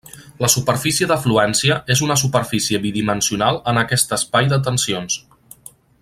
La superfície de fluència és una superfície bidimensional en aquest espai de tensions.